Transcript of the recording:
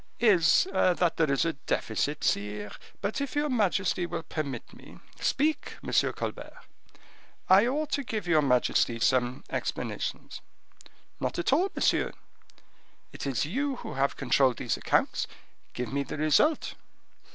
"Is that there is a deficit, sire; but if your majesty will permit me—" "Speak, M. Colbert." "I ought to give your majesty some explanations." "Not at all, monsieur, it is you who have controlled these accounts; give me the result."